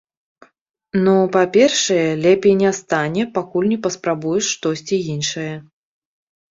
Ну, па-першае, лепей не стане, пакуль не паспрабуеш штосьці іншае.